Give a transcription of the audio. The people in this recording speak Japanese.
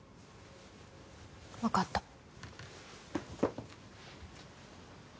わかった。